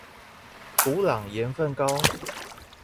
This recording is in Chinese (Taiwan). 土壤鹽分高